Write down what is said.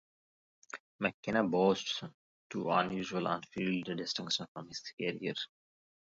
McKenna boasts two unusual on-field distinctions from his career.